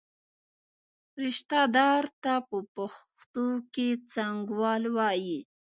رشته دار ته په پښتو کې څانګوال وایي.